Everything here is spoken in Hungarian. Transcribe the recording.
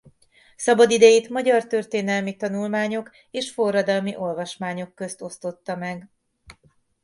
Szabadidejét magyar történelmi tanulmányok és forradalmi olvasmányok közt osztotta meg.